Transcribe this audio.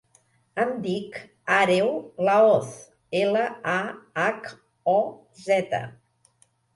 Em dic Àreu Lahoz: ela, a, hac, o, zeta.